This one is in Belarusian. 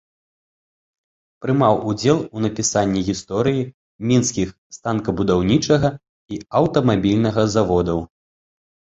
Прымаў удзел у напісанні гісторыі мінскіх станкабудаўнічага і аўтамабільнага заводаў.